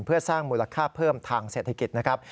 เพื่อสร้างมูลค่าเพิ่มทางเศรษฐกิจนะครับ